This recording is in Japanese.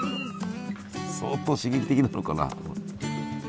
相当刺激的なのかな？